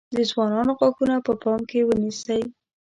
د ځوانانو غاښونه په پام کې ونیسئ.